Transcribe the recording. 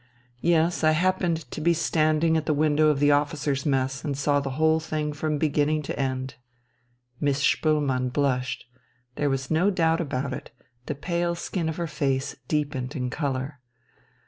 "Yes. I happened to be standing at the window of the officers' mess, and saw the whole thing from beginning to end." Miss Spoelmann blushed. There was no doubt about it, the pale skin of her face deepened in colour.